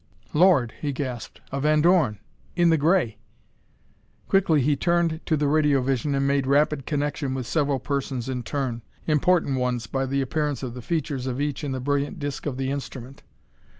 "Lord!" he gasped, "a Van Dorn in the gray!" Quickly he turned to the radiovision and made rapid connection with several persons in turn important ones, by the appearance of the features of each in the brilliant disc of the instrument.